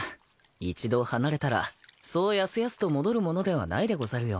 一度離れたらそうやすやすと戻るものではないでござるよ。